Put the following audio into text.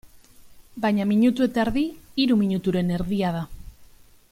Baina minutu eta erdi, hiru minuturen erdia da.